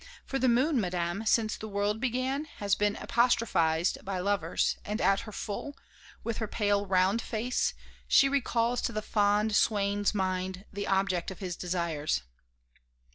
For the moon, Madame, since the world began, has been apostrophized by lovers, and at her full, with her pale round face, she recalls to the fond swain's mind the object of his desires."